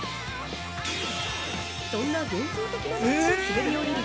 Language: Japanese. そんな幻想的なまちを滑り降りる